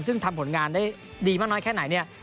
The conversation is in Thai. ซึ่งทำผลงานได้ดีมากน้อยแค่ไหนเนี่ย